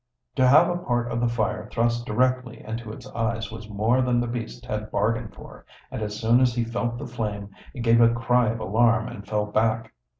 To have a part of the fire thrust directly into its eyes was more than the beast had bargained for, and as soon as it felt the flame it gave a cry of alarm and fell back.